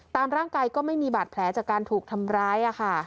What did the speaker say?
ตามร่างกายก็ไม่มีบาดแผลจากการถูกทำร้าย